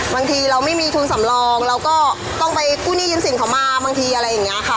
บางทีเราไม่มีทุนสำรองเราก็ต้องไปกู้หนี้ยืมสินเขามาบางทีอะไรอย่างนี้ค่ะ